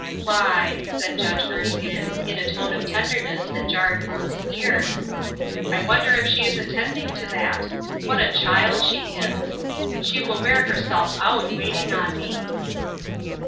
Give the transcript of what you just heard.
" Why," said Judge Erskine, in a tone of ten derness that jarred Ruth's ears, "I wcnder if she is attending to that ? What a child she is I She will wear herself out waiting on me."